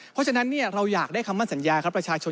เพราะฉะนั้นเราอยากได้คำมั่นสัญญาครับประชาชน